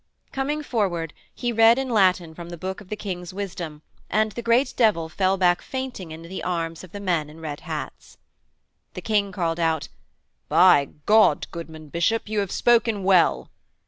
Coming forward he read in Latin from the book of the King's Wisdom and the great devil fell back fainting into the arms of the men in red hats. The King called out, 'By God, goodman Bishop, you have spoken well!'